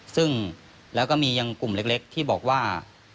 ซึ่งแล้วก็มียังกลุ่มเล็กที่บอกว่า